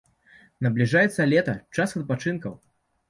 Набліжаецца лета, час адпачынкаў.